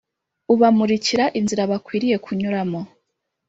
Ubamurikira inzira bakwiriye kunyuramo